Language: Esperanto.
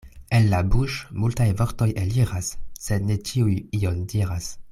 El la buŝ' multaj vortoj eliras, sed ne ĉiuj ion diras.